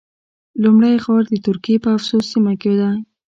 لومړی غار د ترکیې په افسوس سیمه کې ده.